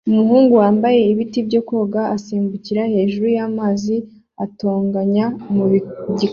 Umuhungu wambaye ibiti byo koga asimbukira hejuru y'amazi atonyanga mu gikari